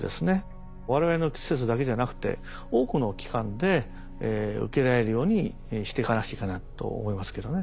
我々の施設だけじゃなくて多くの機関で受けられるようにしていかなくちゃいけないと思いますけどね。